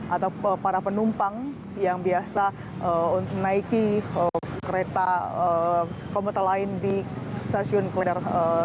atau para penumpang yang biasa menaiki kereta komuter lain di stasiun kuliner